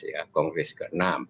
ya kongres ke enam